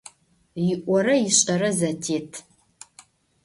Yi'ore yiş'ere zetêt.